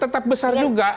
tetap besar juga